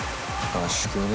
合宿ね。